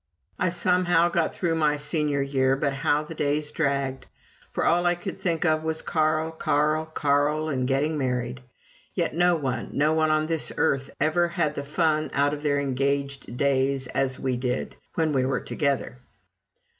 I somehow got through my Senior year; but how the days dragged! For all I could think of was Carl, Carl, Carl, and getting married. Yet no one no one on this earth ever had the fun out of their engaged days that we did, when we were together.